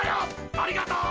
ありがとう！